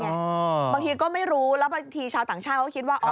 บางทีก็ไม่รู้แล้วบางทีชาวต่างชาติเขาคิดว่า